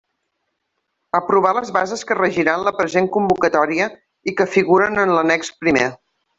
Aprovar les bases que regiran la present convocatòria i que figuren en l'annex primer.